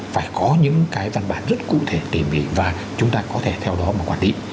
phải có những cái văn bản rất cụ thể tỉ mỉ và chúng ta có thể theo đó mà quản lý